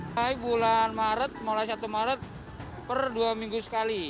mulai bulan maret mulai satu maret per dua minggu sekali